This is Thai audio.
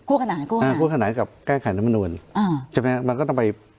กู้ขนายกู้ขาดอ่ากู้ขนายกับแก้ไขรัฐมนุษย์ใช่ไหมครับมันก็ต้องไป